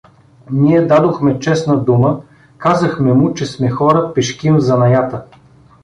Ние дадохме честна дума, казахме му, че сме хора пешкин в „занаята“.